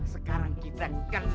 sekarang kita kan nabah timnya nih